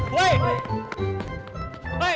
hei jangan lari loh hei